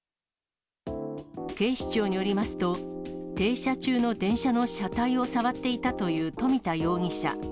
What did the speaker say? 警視庁によりますと、停車中の電車の車体を触っていたという冨田容疑者。